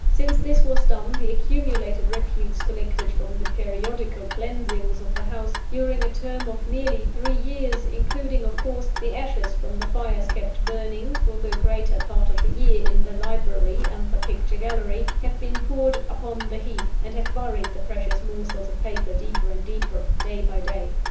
Since this was done, the accumulated refuse collected from the periodical cleansings of the house, during a term of nearly three years including, of course, the ashes from the fires kept burning, for the greater part of the year, in the library and the picture gallery have been poured upon the heap, and have buried the precious morsels of paper deeper and deeper, day by day.